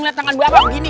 lihat tangan bapak begini